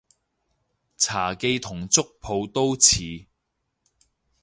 茶記同粥舖都似